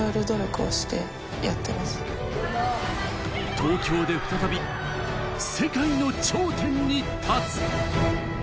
東京で再び世界の頂点に立つ。